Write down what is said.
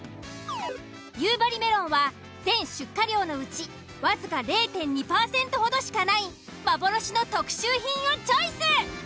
夕張メロンは全出荷量のうち僅か０．２％ほどしかない幻の特秀品をチョイス。